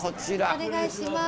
お願いします。